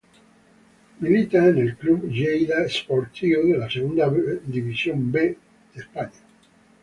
Milita en el Club Lleida Esportiu de la Segunda División B de España.